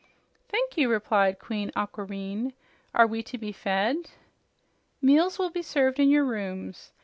"Thank you," replied Queen Aquareine. "Are we to be fed?" "Meals will be served in your rooms.